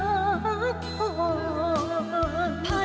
ท่อเหนื่อยมานานมา